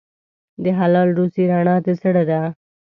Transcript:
د حلال روزي رڼا د زړه ده.